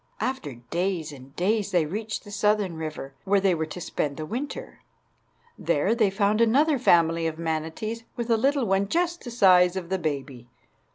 After days and days they reached the southern river, where they were to spend the winter. There they found another family of manatees with a little one just the size of the baby.